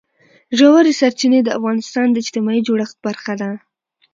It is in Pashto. ژورې سرچینې د افغانستان د اجتماعي جوړښت برخه ده.